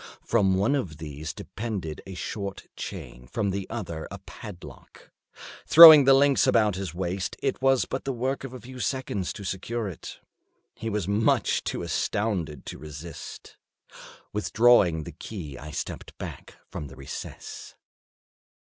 From one of these depended a short chain, from the other a padlock. Throwing the links about his waist, it was but the work of a few seconds to secure it. He was too much astounded to resist. Withdrawing the key I stepped back from the recess.